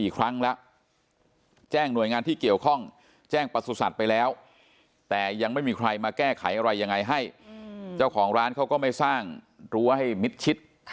แจ้งหน่วยงานที่เกี่ยวข้องแจ้งประสุทธิ์ไปแล้วแต่ยังไม่มีใครมาแก้ไขอะไรยังไงให้เจ้าของร้านเขาก็ไม่สร้างรั้วให้มิดชิด